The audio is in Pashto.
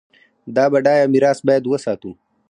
دا بډایه میراث باید وساتو.